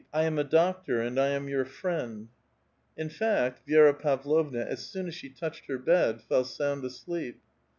I am a doctor, and I am your friend." In fact, Vi6ra Pavlovna, as soon as she touched hor bed, fell sound asleep.